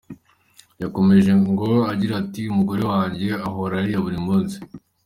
Yakomeje ngo agira ati “Umugore wanjye ahora arira buri munsi.